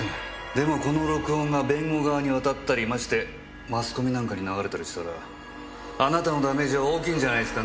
でもこの録音が弁護側に渡ったりましてマスコミなんかに流れたりしたらあなたのダメージは大きいんじゃないですかね？